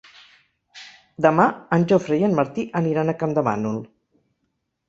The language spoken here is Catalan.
Demà en Jofre i en Martí aniran a Campdevànol.